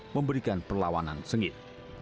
memperkenalkan perlawanan sengit